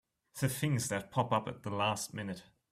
The things that pop up at the last minute!